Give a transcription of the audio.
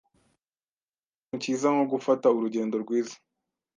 Ntakintu cyiza nko gufata urugendo rwiza.